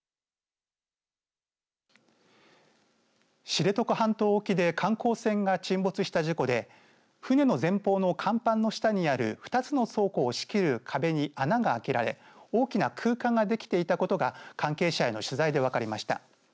知床半島沖で観光船が沈没した事故で船の前方の甲板の下にある２つの倉庫を仕切る壁に穴が開けられ大きな空間ができていたことが関係者への取材で分かりました。